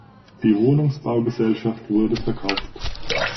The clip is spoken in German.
Die Wohnungsbaugesellschaft wurde verkauft.